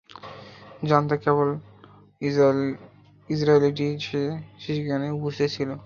জানতো কেবল ইসরাঈলীটি, যে সেখানে উপস্থিত ছিল।